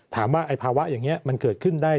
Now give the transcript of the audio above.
ถามว่าไอ้ภาวะอย่างนี้มันเกิดขึ้นได้